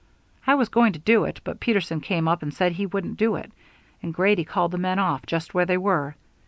I was going to do it, but Peterson came up and said he wouldn't do it, and Grady called the men off, just where they were.